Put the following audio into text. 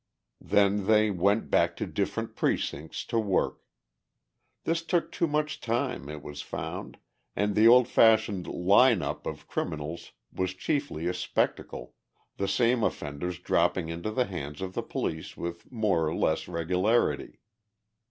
Then they went back to different precincts to work. This took too much time, it was found, and the old fashioned "line up" of criminals was chiefly a spectacle, the same offenders dropping into the hands of the police with more or less regularity.